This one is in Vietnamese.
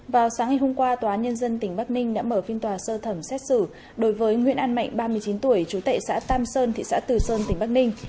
vào sáng ngày hôm qua tòa nhân dân tỉnh bắc ninh đã mở phiên tòa sơ thẩm xét xử đối với nguyễn an mạnh ba mươi chín tuổi trú tệ xã tam sơn thị xã từ sơn tỉnh bắc ninh